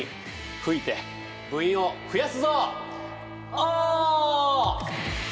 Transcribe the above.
お！